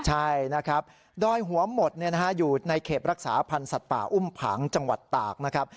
ใช่นะครับดอยหัวหมดอยู่ในเขตรักษาพันธ์สัตว์ป่าอุ้มผังจังหวัดตากนะครับ